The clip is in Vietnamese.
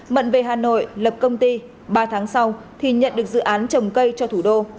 mận về hà nội lập công ty ba tháng sau thì nhận được dự án trồng cây cho thủ đô